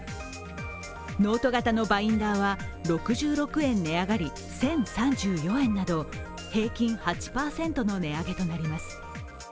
ノート型のバインダーは６６円値上がり、１０３４円など平均８％の値上げとなります。